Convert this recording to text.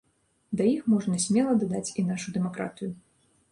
Да іх можна смела дадаць і нашу дэмакратыю.